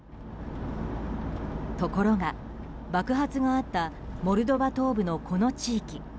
ところが爆発があったモルドバ東部のこの地域。